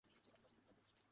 অবশ্যই এটা কি আপনার ছেলে?